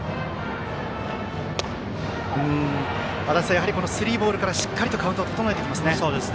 やはりスリーボールからしっかりカウントを整えてきますね。